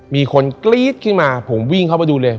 มีคนกรี๊ดขึ้นมาผมวิ่งเข้าไปดูเลย